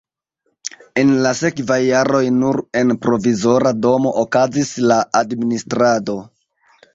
En la sekvaj jaroj nur en provizora domo okazis la administrado.